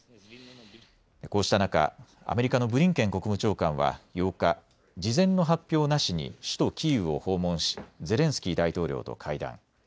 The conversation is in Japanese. こうした中、アメリカのブリンケン国務長官は８日、事前の発表なしに首都キーウを訪問しゼレンスキー大統領と会談。